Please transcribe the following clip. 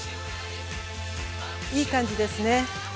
いい感じですね。